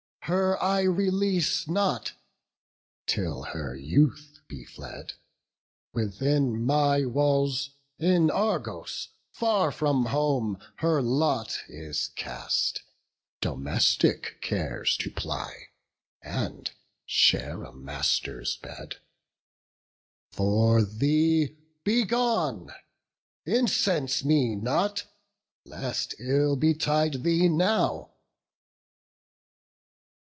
Her I release not, till her youth be fled; Within my walls, in Argos, far from home, Her lot is cast, domestic cares to ply, And share a master's bed. For thee, begone! Incense me not, lest ill betide thee now."